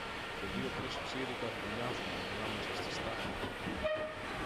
και δυο τρεις τσίροι καρβουνιάζουνταν ανάμεσα στις στάχτες.